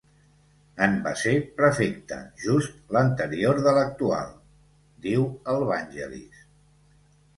En va ser prefecte, just l'anterior de l'actual —diu el Vangelis.